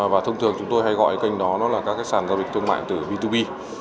và thông thường chúng tôi hay gọi kênh đó là các sàn giao dịch thương mại từ b hai b